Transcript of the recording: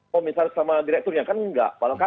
komisar sama direkturnya kan nggak